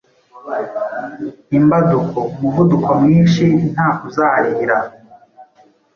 Imbaduko: umuvuduko mwinshi nta kuzarira